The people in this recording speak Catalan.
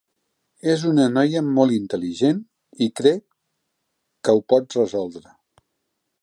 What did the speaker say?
És una noia molt intel·ligent i crec que ho pot resoldre.